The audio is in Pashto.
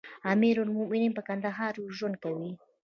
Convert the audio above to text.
امير المؤمنين په کندهار کې ژوند کوي.